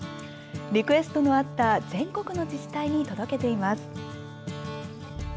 リクエストのあった全国の自治体に届けています。